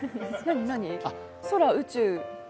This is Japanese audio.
空、宇宙。